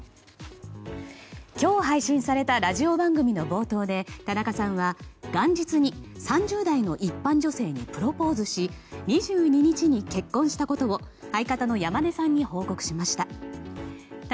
今日配信されたラジオ番組の冒頭で田中さんは元日に３０代の一般女性にプロポーズし２２日に結婚したことを相方の山根さんに報告しました。